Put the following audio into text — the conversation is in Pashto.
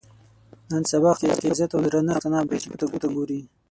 نن سبا خلک عزت او درنښت ته نه بلکې پیسو ته ګوري.